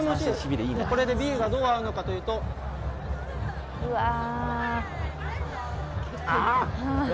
これでビールがどう合うのかというとあーっ！